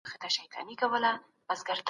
رسنۍ د جرګې غونډي څنګه خپروي؟